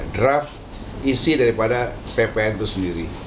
draft isi daripada ppn itu sendiri